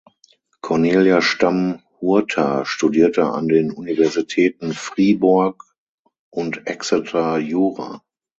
Cornelia Stamm Hurter studierte an den Universitäten Fribourg und Exeter Jura.